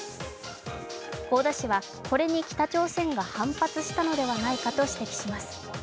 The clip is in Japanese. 香田氏はこれに北朝鮮が反発したのではないかと指摘します。